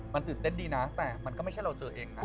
มันตื่นเต้นดีนะแต่มันก็ไม่ใช่เราเจอเองนะ